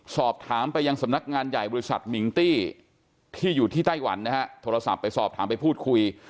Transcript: สอบถามไปยังสำนักงานใหญ่บริษัทมิงตี้ที่อยู่ที่ไต้หวันนะฮะโทรศัพท์ไปสอบถามไปพูดคุย